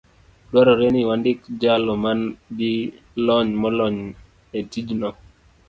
dwarore ni wandik jalo man gi lony molony e tijno.